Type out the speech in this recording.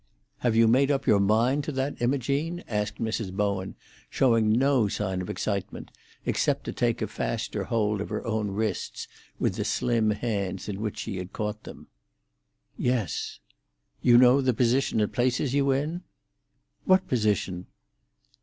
"Have you made up your mind to that, Imogene?" asked Mrs. Bowen, showing no sign of excitement, except to take a faster hold of her own wrists with the slim hands in which she had caught them. "Yes." "You know the position it places you in?" "What position?"